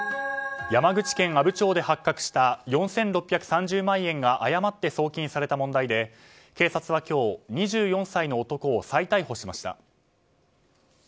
山口県阿武町で発覚した４６３０万円が誤って送金された問題で警察は今日、２４歳の男を再逮捕しました。